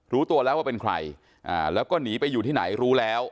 รู้ตัวแล้วว่าเป็นใครแล้วก็หนีไปอยู่ที่ไหนรู้แล้ว